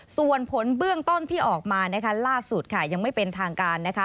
ส่วนผลเบื้องต้นที่ออกมานะคะล่าสุดค่ะยังไม่เป็นทางการนะคะ